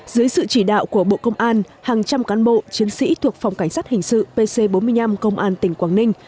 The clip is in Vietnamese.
dưới sự chỉ đạo của bộ công an hàng trăm cán bộ chiến sĩ thuộc phòng cảnh sát hình sự pc bốn mươi năm công an tỉnh quảng ninh